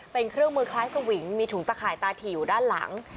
เป็นเครื่องมือคล้ายสวิงมีถุงตะข่ายตาถี่อยู่ด้านหลัง